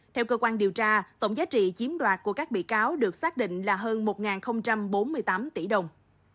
theo cơ quan điều tra tổng giá trị chiếm đoạt của các bị cáo được xác định là hơn một bốn mươi tám tỷ đồng